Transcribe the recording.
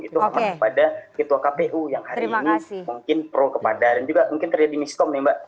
itu kepada ketua kpu yang hari ini mungkin pro kepada dan juga mungkin terjadi miskom nih mbak